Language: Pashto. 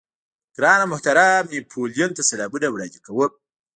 ګران او محترم نيپولېين ته سلامونه وړاندې کوم.